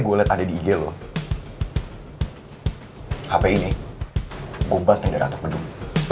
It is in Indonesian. gue buat tanda rata pedung